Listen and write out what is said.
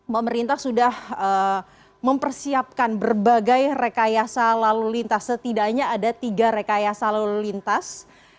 pemerintah sudah mempersiapkan berbagai rekayasa lalu lintas setidaknya ada tiga rekayasa lalu lintas